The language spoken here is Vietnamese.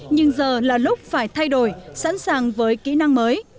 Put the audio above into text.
nhưng giờ là lúc phải thay đổi sẵn sàng với kỹ năng mới